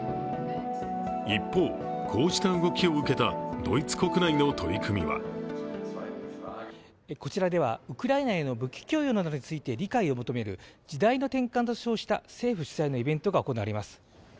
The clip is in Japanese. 一方、こうした動きを受けたドイツ国内の取り組みはこちらではウクライナへの武器供与などについて理解を求める「時代の転換」と称した政府主催のイベントが行われます。